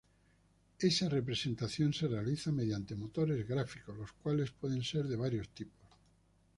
Esa representación se realiza mediante motores gráficos, los cuales pueden ser de varios tipos.